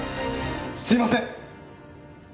「すいません！」